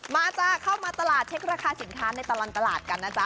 จ้าเข้ามาตลาดเช็คราคาสินค้าในตลอดตลาดกันนะจ๊ะ